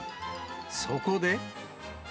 そこで。